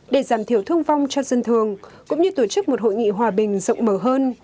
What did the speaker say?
để giảm thiểu thương vong cho dân thường cũng như tổ chức một hội nghị hòa bình rộng mở hơn